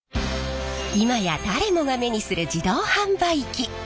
今や誰もが目にする自動販売機。